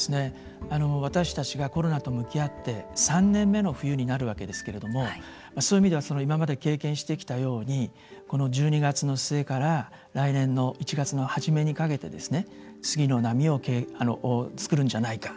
私たちがコロナと向き合って３年目の冬になるわけですけれどもそういう意味では今まで経験してきたようにこの１２月の末から来年の１月の初めにかけて次の波を作るんじゃないか。